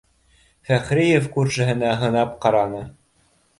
— Фәхриев күршеһенә һынап ҡараны